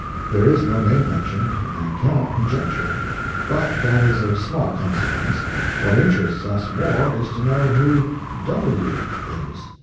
There is no name mentioned, and I cannot conjecture. But that is of small consequence—what interests us more is to know who "W_____" is.